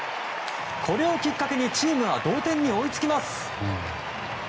これをきっかけにチームは同点に追いつきます。